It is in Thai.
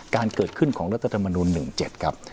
การเกิดขึ้นของรัฐธรรมนูล๑๗ครับ